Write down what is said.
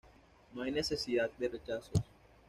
No hay necesidad de rechazos.